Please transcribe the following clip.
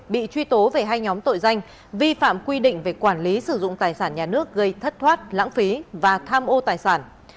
bị truy tố về hai nhóm tội danh vi phạm quy định về quản lý sử dụng tài sản nhà nước gây thất thoát lãng phí và tham ô tài sản